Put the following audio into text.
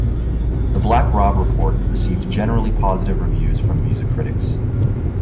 "The Black Rob Report" received generally positive reviews from music critics.